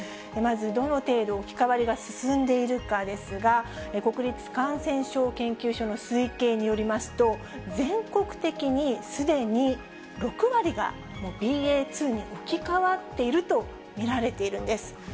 まず、どの程度置き換わりが進んでいるかですが、国立感染症研究所の推計によりますと、全国的にすでに６割が、もうＢＡ．２に置き換わっていると見られているんです。